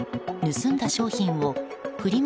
盗んだ商品をフリマ